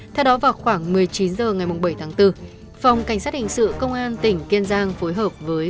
theo đó vào khoảng một mươi chín h ngày bảy tháng bốn phòng cảnh sát hình sự công an tỉnh kiên giang phối hợp với